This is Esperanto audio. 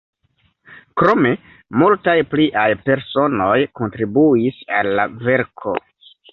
Krome multaj pliaj personoj kontribuis al la verko.